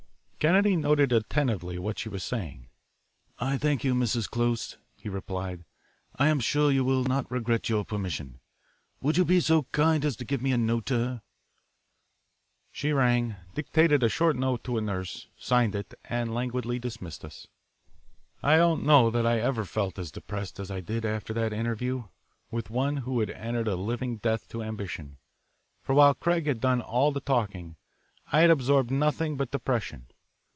Kennedy noted attentively what she was saying. "I thank you, Mrs. Close," he replied. "I am sure you will not regret your permission. Would you be so kind as to give me a note to her?" She rang, dictated a short note to a nurse, signed it, and languidly dismissed us. I don't know that I ever felt as depressed as I did after that interview with one who had entered a living death to ambition, for while Craig had done all the talking I had absorbed nothing but depression.